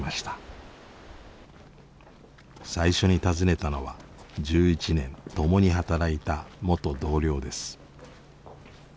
最初に訪ねたのは１１年共に働いた元同僚です。